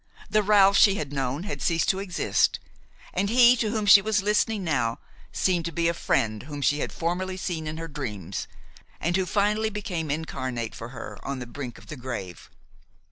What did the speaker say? The Ralph she had known had ceased to exist, and he to whom she was listening now seemed to be a friend whom she had formerly seen in her dreams and who finally became incarnate for her on the brink of the grave.